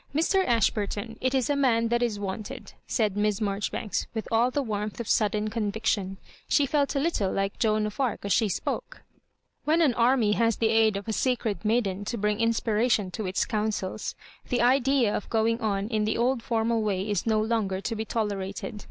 Mr. Ashburton, it is a man that is wanted," said Miss Marjoribanks, with all the warmth of sud den conviction. She felt a little like Joan of Arc as she spoke. When an army has the aid of a sacred maiden to brmg inspiration to its counsels, the idea of going on in the old formal way is no longer to be tolerated.